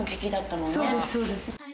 そうですそうです。